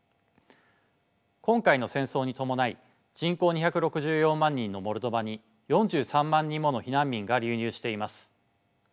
今回の戦争に伴い人口２６４万人のモルドバに４３万人もの避難民が流入しています。